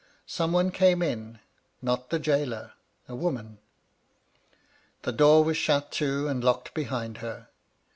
Some one came in ; not the gaoler — a woman. The door was shut to and locked behind her.